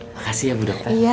makasih ya bu dokter